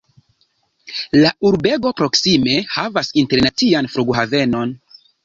La urbego proksime havas internacian flughavenon.